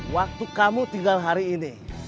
waktu kamu tinggal hari ini